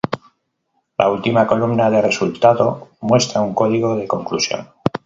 La Última columna de Resultado muestra un código de conclusión.